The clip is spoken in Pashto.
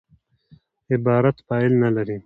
عبارت فاعل نه لري.